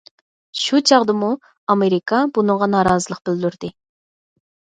شۇ چاغدىمۇ ئامېرىكا بۇنىڭغا نارازىلىق بىلدۈردى.